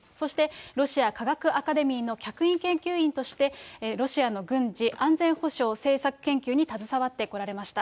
そしてロシア科学アカデミーの客員研究員としてロシアの軍事・安全保障政策研究に携わってこられました。